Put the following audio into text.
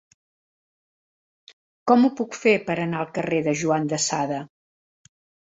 Com ho puc fer per anar al carrer de Juan de Sada?